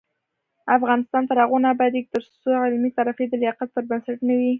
افغانستان تر هغو نه ابادیږي، ترڅو علمي ترفیع د لیاقت پر بنسټ نه وي.